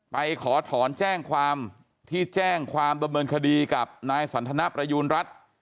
ไปขอถอนแจ้งความที่แจ้งความดำเนินคดีกับนายสันทนประยูณรัฐ